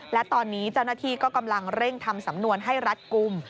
และตอนนี้เจ้าหน้าที่ก็กำลังเร่งทำสำนวนให้รัดกลุ่ม